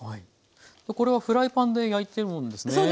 これはフライパンで焼いてるんですね。